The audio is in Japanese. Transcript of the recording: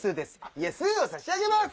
いやスーを差し上げます！